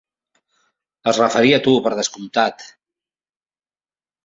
Es referia a tu, per descomptat.